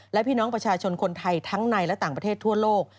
และพี่น้องประชาชนคนไทยทั้งในและต่างประเทศทั่วโลก